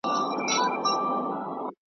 د دنیا وروستۍ شېبې وروستی ساعت دی `